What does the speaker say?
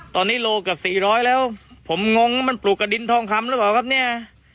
ตอนนี้โลกับสี่ร้อยแล้วผมงงมันปลูกกับดินทองคำหรือเปล่าครับเนี่ย